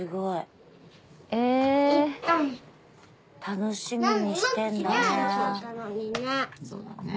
楽しみにしてんだね。